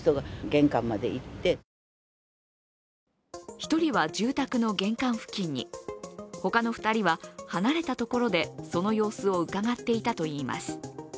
１人は住宅の玄関付近に、他の２人は離れたところでその様子をうかがっていたといいます。